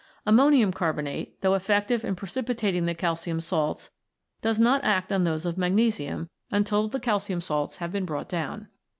Ammonium carbonate, though effective in precipitating the calcium salts, does not act on those of magnesium until the calcium salts have been brought down.